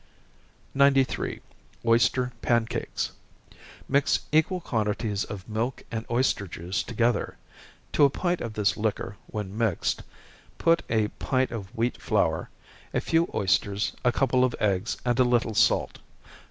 93. Oyster Pancakes. Mix equal quantities of milk and oyster juice together. To a pint of the liquor when mixed, put a pint of wheat flour, a few oysters, a couple of eggs, and a little salt.